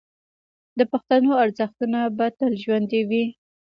د پښتنو ارزښتونه به تل ژوندي وي.